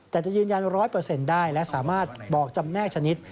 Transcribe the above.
แต่จะยืนยันร้อยเปอร์เซ็นต์ได้และสามารถบอกจำแน่ชนิด